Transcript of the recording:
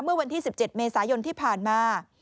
เมื่อวันที่๑๗เมษายนที่ผ่านมา